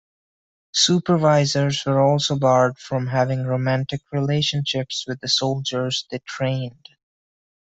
Supervisors were also barred from having romantic relationships with the soldiers they trained.